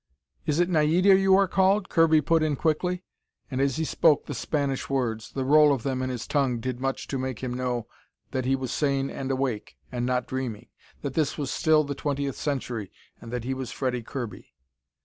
"Is it Naida you are called?" Kirby put in quickly, and as he spoke the Spanish words, the roll of them on his tongue did much to make him know that he was sane and awake, and not dreaming, that this was still the Twentieth Century, and that he was Freddie Kirby.